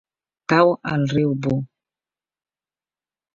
Cau al riu Buh.